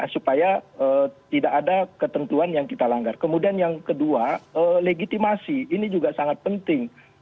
supaya tidak ada ketentuan yang kita langgar kemudian yang kedua legitimasi ini juga sangat penting